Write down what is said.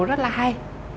rất là hay